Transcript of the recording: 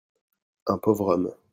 un pauvre homme.